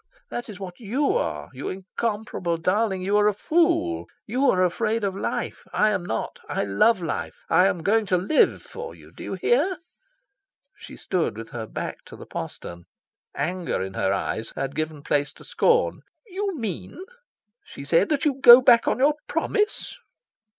That is what YOU are, you incomparable darling: you are a fool. You are afraid of life. I am not. I love life. I am going to live for you, do you hear?" She stood with her back to the postern. Anger in her eyes had given place to scorn. "You mean," she said, "that you go back on your promise?"